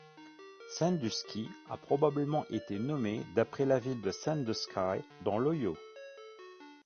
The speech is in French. Sandusky a probablement été nommée d’après la ville de Sandusky, dans l’Ohio.